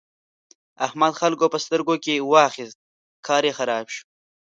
احمد خلګو په سترګو کې واخيست؛ کار يې خراب شو.